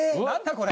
これ。